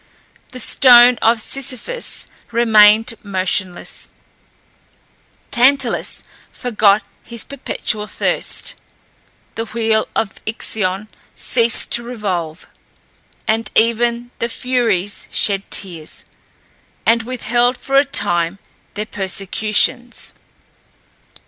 The stone of Sisyphus remained motionless; Tantalus forgot his perpetual thirst; the wheel of Ixion ceased to revolve; and even the Furies shed tears, and withheld for a time their persecutions.